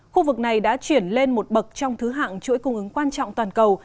khu vực này đã chuyển lên một bậc trong thứ hạng chuỗi cung ứng quan trọng toàn cầu